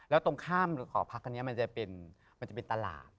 แล้วตรงข้ามหอพักอันนี้มันจะเป็นมันจะเป็นตลาด